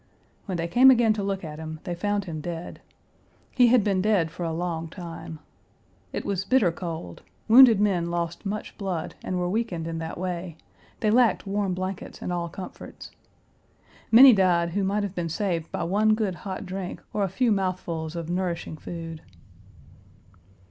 When they came again to look at him, they found him dead. He had been dead for a long time. It was bitter cold; wounded men lost much blood and were weakened in that way; they lacked warm blankets and all comforts. Many died who might have been saved by one good hot drink or a few mouthfuls of nourishing food.